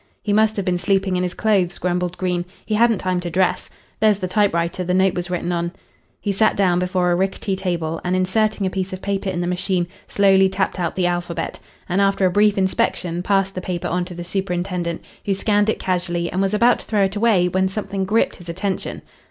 "He must have been sleeping in his clothes," grumbled Green. "He hadn't time to dress. There's the typewriter the note was written on." He sat down before a rickety table and, inserting a piece of paper in the machine, slowly tapped out the alphabet, and after a brief inspection passed the paper on to the superintendent, who scanned it casually, and was about to throw it away when something gripped his attention.